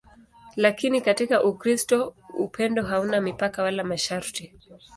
Lakini katika Ukristo upendo hauna mipaka wala masharti.